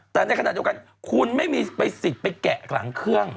แต่ในขณะเดียวกันคุณไม่มีไปสิทธิ์ไปแกะหลังเครื่อง